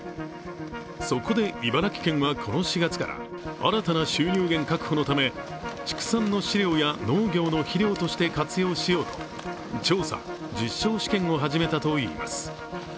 そこで、茨城県はこの４月から新たな収入源確保のため畜産の飼料や農業の肥料として活用しようと調査・実証試験を始めたといいます。